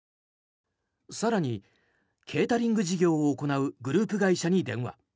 更に、ケータリング事業を行うグループ会社に電話。